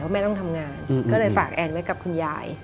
แม่ต้องทำงานก็เลยฝากแอนไว้กับคุณยาย